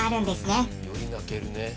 より泣けるねうん。